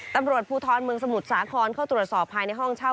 ตำรวจภูทรเมืองสมุทรสาครเข้าตรวจสอบภายในห้องเช่า